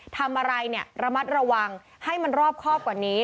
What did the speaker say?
ทำอะไรเนี่ยระมัดระวังให้มันรอบครอบกว่านี้